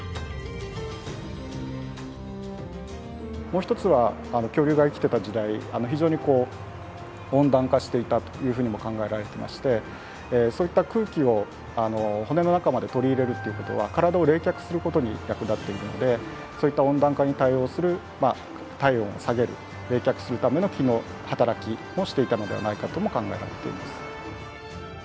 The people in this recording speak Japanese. もう一つは恐竜が生きてた時代非常にこう温暖化していたというふうにも考えられていましてそういった空気を骨の中まで取り入れるということは体を冷却することに役立っているのでそういった温暖化に対応する体温を下げる冷却するための機能働きをしていたのではないかとも考えられています。